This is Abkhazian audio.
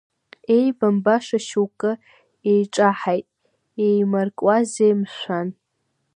Иеибамбаша шьоук еиҿаҳаит, иеимаркуазеи, мшәан?